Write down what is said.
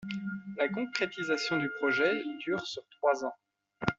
La concrétisation du projet dure sur trois ans.